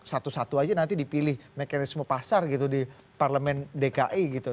satu satu aja nanti dipilih mekanisme pasar gitu di parlemen dki gitu